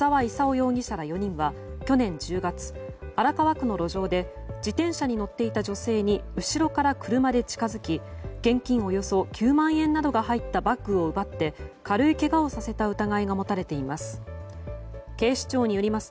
容疑者ら４人は去年１０月、荒川区の路上で自転車に乗っていた女性に後ろから車で近づき現金およそ９万円などが入ったバッグを奪って軽いけがをさせた疑いが持たれています。